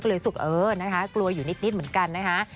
ก็เลยรู้สึกเออนะคะกลัวอยู่นิดเหมือนกันนะคะ